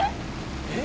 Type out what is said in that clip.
え！